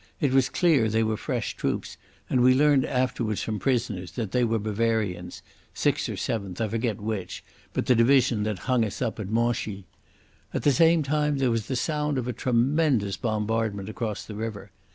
It was clear they were fresh troops, and we learned afterwards from prisoners that they were Bavarians—6th or 7th, I forget which, but the division that hung us up at Monchy. At the same time there was the sound of a tremendous bombardment across the river.